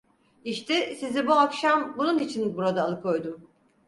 İşte sizi bu akşam bunun için burada alıkoydum.